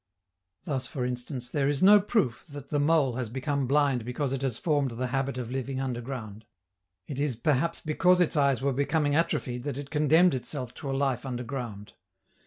Thus, for instance, there is no proof that the mole has become blind because it has formed the habit of living underground; it is perhaps because its eyes were becoming atrophied that it condemned itself to a life underground.